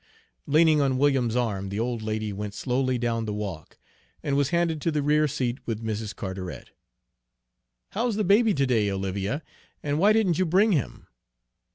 Leaning on William's arm, the old lady went slowly down the walk, and was handed to the rear seat with Mrs. Carteret. "How's the baby to day, Olivia, and why didn't you bring him?"